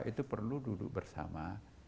itu perlu duduk bersama